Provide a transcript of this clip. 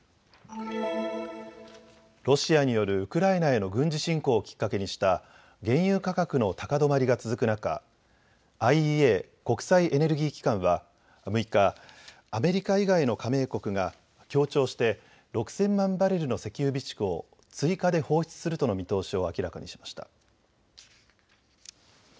ロシアによるウクライナへの軍事侵攻をきっかけにした原油価格の高止まりが続く中、ＩＥＡ・国際エネルギー機関は６日、アメリカ以外の加盟国が協調して６０００万バレルの石油備蓄を追加で放出するとの見通しを明らかにしました。